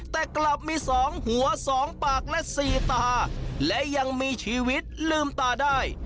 แต่กลับมีสองหัวสองปากและสี่ตาและยังมีชีวิตลืมตาได้